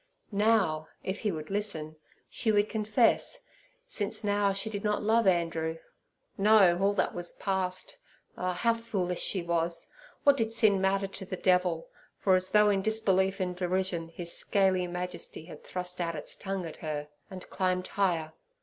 Now, if he would listen, she would confess, since now she did not love Andrew. No, all that was past. Ah, how foolish she was! What did sin matter to the devil, for, as though in disbelief and derision, his scaly majesty had thrust out his tongue at her, and climbed higher.